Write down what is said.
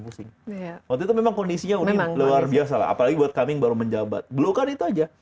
pusing waktu itu memang kondisinya uni luar biasa lah apalagi buat kami baru menjabat belukan itu aja